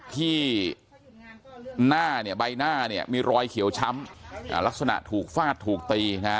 ที่หน้าเนี่ยใบหน้าเนี่ยมีรอยเขียวช้ำลักษณะถูกฟาดถูกตีนะฮะ